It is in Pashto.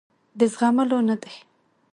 د زغملو نه دي.